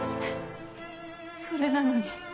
それなのに。